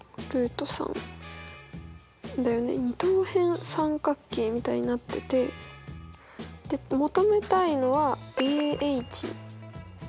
二等辺三角形みたいになってて求めたいのはＡＨで。